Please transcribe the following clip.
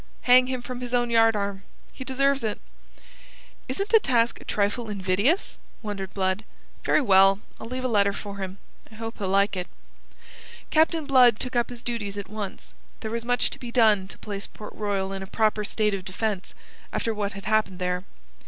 Hang him from his own yardarm. He deserves it." "Isn't the task a trifle invidious?" wondered Blood. "Very well. I'll leave a letter for him. I hope he'll like it." Captain Blood took up his duties at once. There was much to be done to place Port Royal in a proper state of defence, after what had happened there.